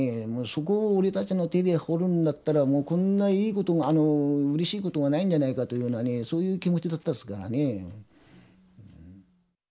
そこを俺たちの手で掘るんだったらこんないいことうれしいことはないんじゃないかというようなねそういう気持ちだったですからねえ。